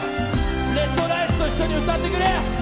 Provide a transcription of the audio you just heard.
ＲＥＤＲＩＣＥと一緒に歌ってくれ。